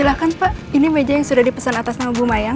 silahkan pak ini meja yang sudah dipesan atas nama buma ya